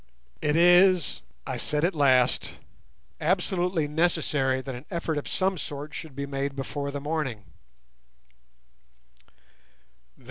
"It is," I said at last, "absolutely necessary that an effort of some sort should be made before the morning."